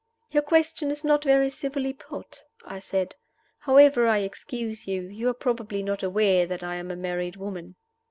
"Your question is not very civilly put," I said. "However, I excuse you. You are probably not aware that I am a married woman."